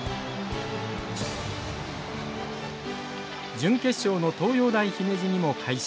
準決勝の東洋大姫路にも快勝。